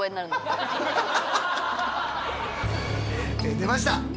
出ました！